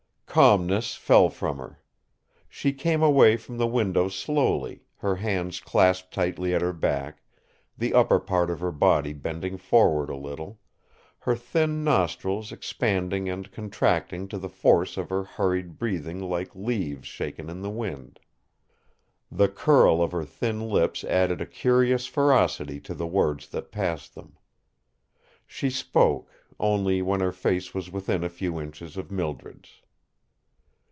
Calmness fell from her. She came away from the window slowly, her hands clasped tightly at her back, the upper part of her body bending forward a little, her thin nostrils expanding and contracting to the force of her hurried breathing like leaves shaken in the wind. The curl of her thin lips added a curious ferocity to the words that passed them. She spoke, only when her face was within a few inches of Mildred's.